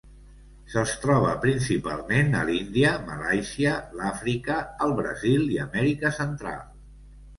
Se'ls troba principalment a l'Índia, Malàisia, l'Àfrica, el Brasil i Amèrica Central.